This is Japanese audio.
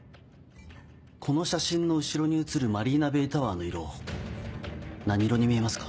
この写真の後ろに写るマリーナベイタワーの色何色に見えますか？